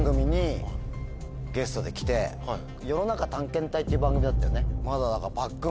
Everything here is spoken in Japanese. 「世の中探検隊」っていう番組だったよね。